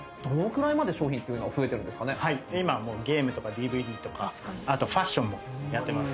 今はゲームとかＤＶＤとかあとファッションもやってます。